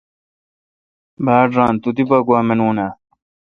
باڑ ران تو دی پا گوا مانون اؘ۔